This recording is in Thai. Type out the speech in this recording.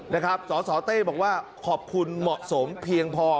นะครับสสเต้บอกว่าขอบคุณเหมาะสมเพียงพอ